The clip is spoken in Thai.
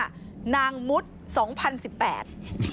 ชื่อคลิปนี้ว่านางมุฒร์สองพันสิบแปด